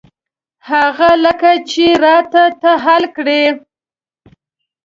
هغه لکه چې را ته ته حل کړې.